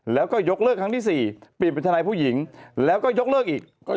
แล้วก็ยกเลิกครั้งที่๔เปลี่ยนเป็นทนายผู้หญิงแล้วก็ยกเลิกอีก